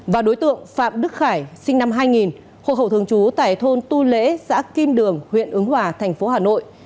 và đối tượng phạm đức khải sinh năm hai nghìn hộ khẩu thường trú tại thôn tu lễ xã kim đường huyện ứng hòa thành phố hà nội